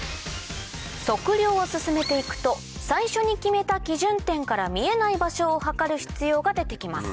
測量を進めていくと最初に決めた基準点から見えない場所を測る必要が出てきます